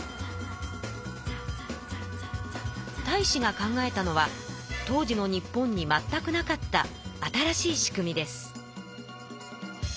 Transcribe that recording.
太子が考えたのは当時の日本にまったくなかった新しい仕組みです。